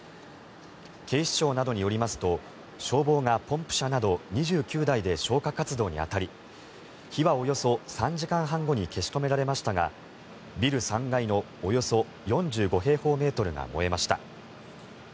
警視庁などによりますと消防がポンプ車など２９台で消火活動に当たり火はおよそ３時間半後に消し止められましたがビル３階のおよそ４５平方メートルが燃えました。